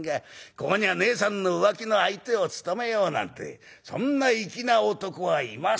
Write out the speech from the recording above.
ここにはねえさんの浮気の相手を務めようなんてそんな粋な男はいませんから』